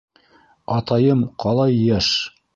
Атайым ҡалай йәш.